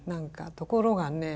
ところがね